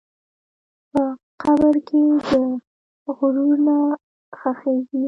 په قبر کې غرور نه ښخېږي.